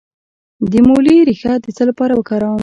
د مولی ریښه د څه لپاره وکاروم؟